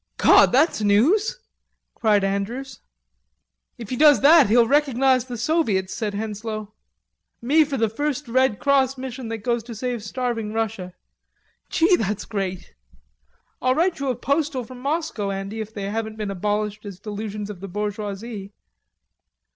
"God, that's news," cried Andrews. "If he does that he'll recognize the Soviets," said Henslowe. "Me for the first Red Cross Mission that goes to save starving Russia.... Gee, that's great. I'll write you a postal from Moscow, Andy, if they haven't been abolished as delusions of the bourgeoisie."